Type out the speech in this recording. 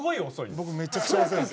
僕めちゃくちゃ遅いんです。